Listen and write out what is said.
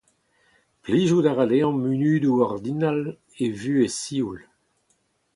Plijout a ra dezhañ munudoù ordinal e vuhez sioul.